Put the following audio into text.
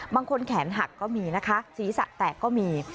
บางคนแขนหักก็มีนะคะศีรษะแตกก็มี